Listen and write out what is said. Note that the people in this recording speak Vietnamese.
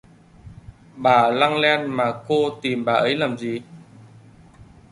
Bà lăng len mà cô tìm bà ấy làm gì